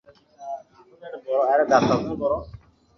আমি তোমার বন্ধুকে মেনে নেবো।